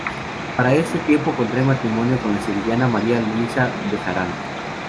Para este tiempo contrae matrimonio con la sevillana María Luisa Bejarano.